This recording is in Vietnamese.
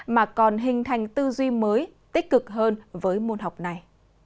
mà còn hình thành tư duy mới tích cực hơn với môn học này